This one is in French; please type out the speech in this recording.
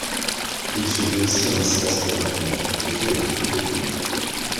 Il se veut aussi un espace de rencontres autour de la Francophonie.